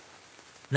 何？